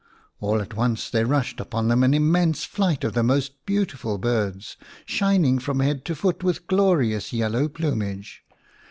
All at once there rushed upon them an immense flight of the most beautiful birds, shining from head to foot with glorious yellow plumage.